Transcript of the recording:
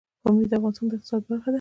پامیر د افغانستان د اقتصاد برخه ده.